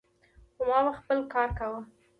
خو ما به خپل کار کاوه.